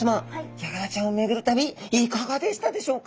ヤガラちゃんを巡る旅いかがでしたでしょうか？